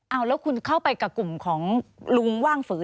เอาแล้วคุณเข้าไปกับกลุ่มของลุงว่างฝือ